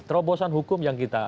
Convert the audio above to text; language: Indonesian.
terobosan hukum yang kita